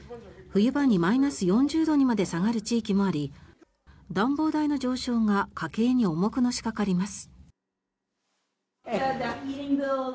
冬場にマイナス４０度にまで下がる地域もあり暖房代の上昇が家計に重くのしかかります。